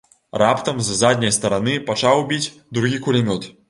Раптам з задняй стараны пачаў біць другі кулямёт.